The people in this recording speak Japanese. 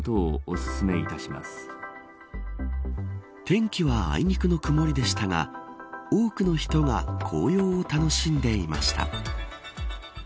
天気はあいにくの曇りでしたが多くの人が紅葉を楽しんでいました。